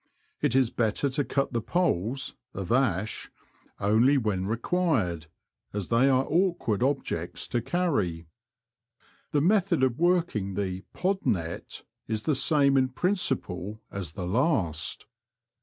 It is better to cut the poles (of ash) only when required, as they are awkward objects to carry. The method of working the *' pod net" is the same in principle as the last.